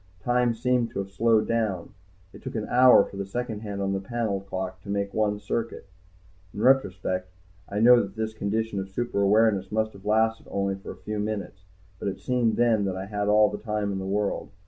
Time seemed to have slowed down, it took an hour for the second hand on the panel clock to make one circuit. In retrospect I know that this condition of super awareness must have lasted only for a few minutes. But it seemed then that I had all the time in the world.